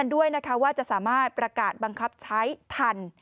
ด้วยนะคะว่าจะสามารถประกาศบังคับใช้ทัน